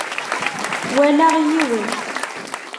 Walaɣ yiwen.